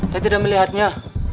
saya tidak melihatnya